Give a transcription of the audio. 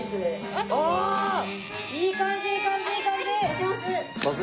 いい感じいい感じいい感じ！